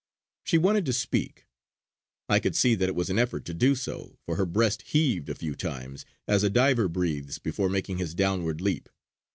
She wanted to speak; I could see that it was an effort to do so, for her breast heaved a few times, as a diver breathes before making his downward leap.